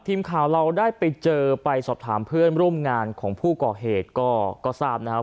ทีมข่าวเราได้ไปเจอไปสอบถามเพื่อนร่วมงานของผู้ก่อเหตุก็ทราบนะครับ